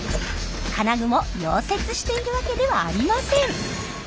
金具も溶接しているわけではありません。